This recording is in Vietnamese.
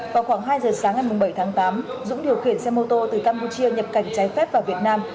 vào khoảng hai giờ sáng ngày bảy tháng tám dũng điều khiển xe mô tô từ campuchia nhập cảnh trái phép vào việt nam